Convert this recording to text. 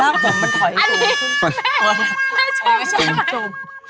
อันนี้ไม่ชมใช่ไหม